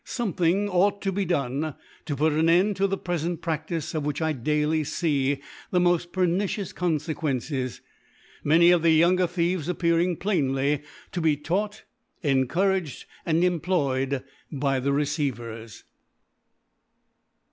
Sonfiethiog ought to Jbe done^ to put an End to the (prefent Practice, of which i iee daily the n[K)ft pernicious Confequences>i many of the younger Thieves aj^aring pkrihly CO be taught, encouraged and em* ployed by the Receivers.